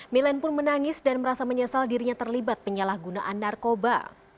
milen pun menangis dan merasa menyesal dirinya terlibat penyalahgunaan narkoba